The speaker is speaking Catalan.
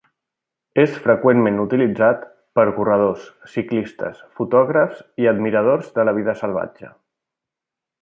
És freqüentment utilitzat per corredors, ciclistes, fotògrafs i admiradors de la vida salvatge.